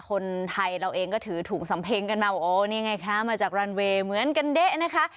คนไทยเราเองก็ถือถุงสำเพ็งกันมาว่าโอ้นี่ไงคะมาจากรันเวย์เหมือนกันเด๊ะนะคะ